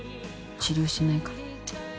治療しないから。